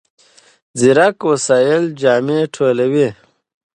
ځیرک وسایل جامې ټولوي.